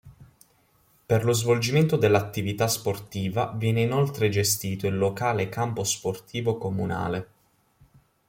Per lo svolgimento dell'attività sportiva viene inoltre gestito il locale campo sportivo comunale.